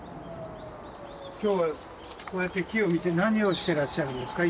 今日はこうやって木を見て何をしてらっしゃるんですか？